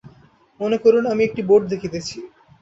মনে করুন, আমি একটি বোর্ড দেখিতেছি।